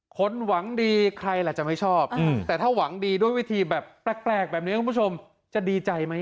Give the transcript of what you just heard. คนหวังดีใครล่ะจะไม่ชอบแต่ถ้าหวังดีด้วยวิธีแบบแปลกแบบนี้คุณผู้ชมจะดีใจไหม